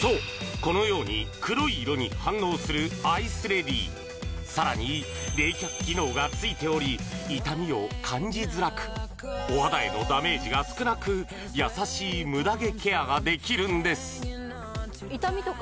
そうこのように黒い色に反応するアイスレディさらに冷却機能が付いており痛みを感じづらくお肌へのダメージが少なく優しいムダ毛ケアができるんです痛みとか？